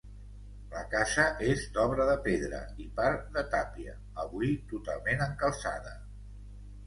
La casa és d'obra de pedra i part de tàpia, avui totalment encalçada.